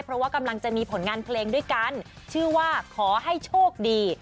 เพราะว่ากำลังจะมีผลงานเพลงด้วยกันชื่อว่าขอให้โชคดี